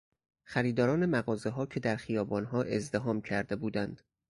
خریداران مغازهها که در خیابانها ازدحام کرده بودند